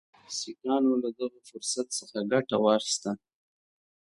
سیکهانو له دغه فرصت څخه ګټه واخیستله.